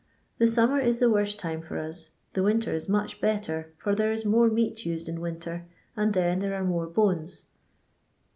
The summer is the worst time for us^ the winter is much better, for there is more meat used in winter, and then there are more bones."